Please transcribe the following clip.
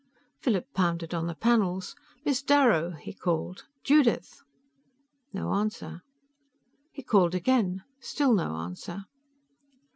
Philip pounded on the panels. "Miss Darrow!" he called. "Judith!" No answer. He called again. Still no answer.